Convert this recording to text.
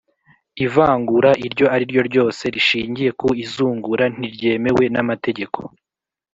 ivangura iryo ari ryo ryose rishingiye ku izungura ntiryemewe n’amategeko.